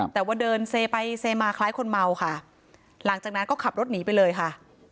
แต่ว่าเดินเซไปเซมาคล้ายคนเมาค่ะหลังจากนั้นก็ขับรถหนีไปเลยค่ะ